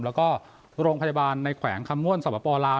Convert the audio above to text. แล้วก็โรงพยาบาลในแขวงคำม่วนสวปปลาว